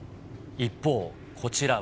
一方、こちらは。